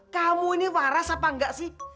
kamu ini waras apa enggak sih